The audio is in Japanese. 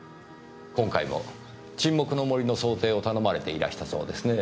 今回も『沈黙の森』の装丁を頼まれていらしたそうですね？